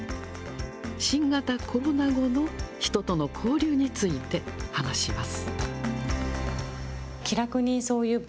新型コロナ後の人との交流について話します。